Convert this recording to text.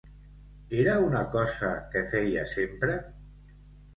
Era una cosa que feia sempre?